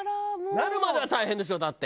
なるまでは大変でしょ？だって。